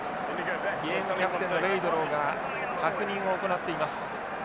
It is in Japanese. ゲームキャプテンのレイドロウが確認を行っています。